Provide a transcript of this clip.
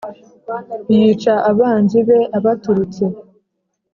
Yica abanzi be abaturutse